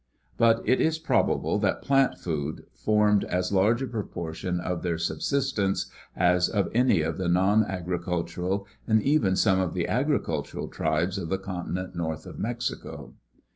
But it is probable that plant food formed as large a proportion of their subsistence as of any of the non agricultural and even some of the agricultural tribes of the continent north of Mexico.